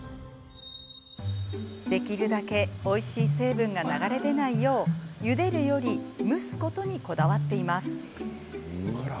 できるだけおいしい成分が流れ出ないようゆでるより蒸すことにこだわっています。